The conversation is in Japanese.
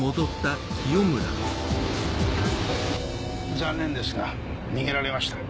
残念ですが逃げられました。